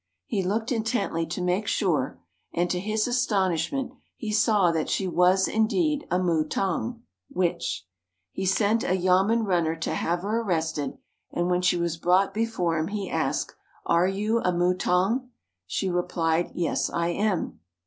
He looked intently to make sure, and to his astonishment he saw that she was indeed a mutang (witch). He sent a yamen runner to have her arrested, and when she was brought before him he asked, "Are you a mutang?" She replied, "Yes, I am."